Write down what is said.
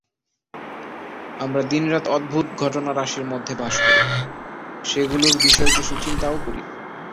আমরা দিনরাত অদ্ভুত ঘটনারাশির মধ্যে বাস করি, সেগুলির বিষয় কিছু চিন্তাও করি না।